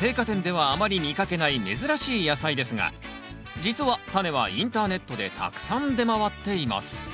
青果店ではあまり見かけない珍しい野菜ですが実はタネはインターネットでたくさん出回っています。